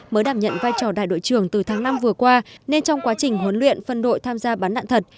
mới đảm nhận vai trò đại đội trưởng từ tháng năm vừa qua nên trong quá trình huấn luyện phân đội tham gia bắn đạn thật